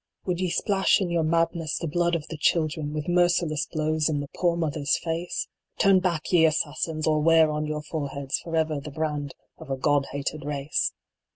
Would ye splash, in your madness, the blood of the children, With merciless blows, in the poor mother s face ? Turn back, ye Assassins ! or wear on your foreheads For ever the brand of a God hated race